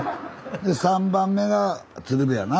で３番目が鶴瓶やな？